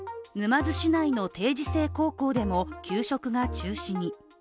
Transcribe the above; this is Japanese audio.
沼津市内の定時制高校でも給食が中止に。